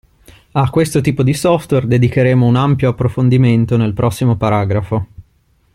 A questo tipo di software dedicheremo un ampio approfondimento nel prossimo paragrafo.